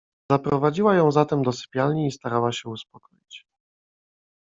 "Zaprowadziła ją zatem do sypialni i starała się uspokoić."